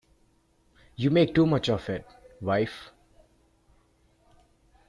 You make too much of it, wife.